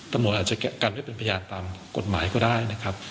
ตำรวจอาจจะกันไว้เป็นพยานตามกฎหมายก็ได้นะครับ